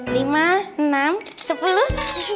lima enam sepuluh